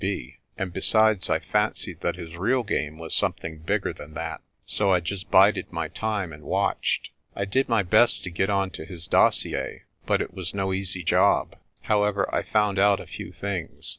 D.B., and besides I fancied that his real game was something bigger than that j so I just bided my time and watched. "I did my best to get on to his dossier, but it was no easy job. However, I found out a few things.